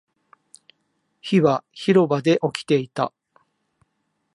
火は広場で起きていた